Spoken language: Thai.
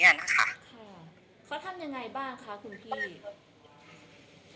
ค่ะเขาทำยังไงบ้างคะคุณพี่